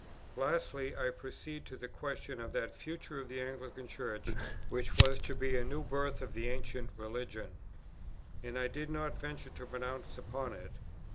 '" Lastly, I proceeded to the question of that future of the Anglican Church, which was to be a new birth of the Ancient Religion. And I did not venture to pronounce upon it.